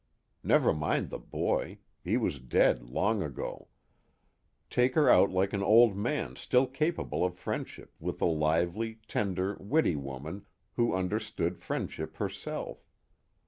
Never mind the boy he was dead long ago: take her out like an old man still capable of friendship with a lively, tender, witty woman who understood friendship herself....